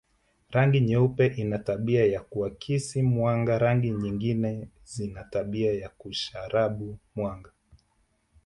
Rangi nyeupe ina tabia ya kuakisi mwanga rangi nyingine zina tabia ya kusharabu mwanga